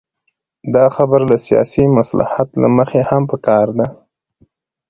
دا خبره له سیاسي مصلحت له مخې هم پکار ده.